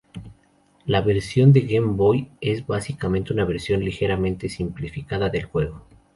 La versión de Game Boy es básicamente una versión ligeramente simplificada del juego.